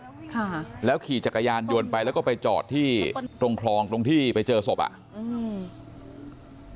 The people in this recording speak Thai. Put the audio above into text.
ค่ะแล้วขี่จักรยานยนต์ไปแล้วก็ไปจอดที่ตรงคลองตรงที่ไปเจอศพอ่ะอืม